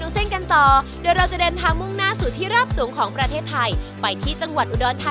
สวัสดีครับน้องผู้ผ่าครับผม